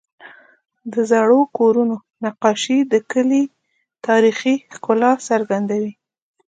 د زړو کورونو نقاشې د کلي تاریخي ښکلا څرګندوي.